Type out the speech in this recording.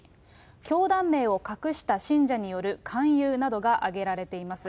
教団名を隠した信者による勧誘などが挙げられています。